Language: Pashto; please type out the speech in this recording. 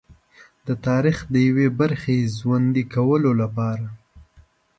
د تاریخ د یوې برخې ژوندي کولو لپاره.